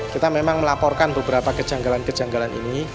kita memang melaporkan beberapa kejanggalan kejanggalan ini